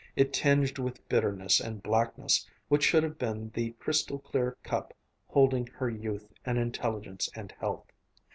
It tinged with bitterness and blackness what should have been the crystal clear cup holding her youth and intelligence and health.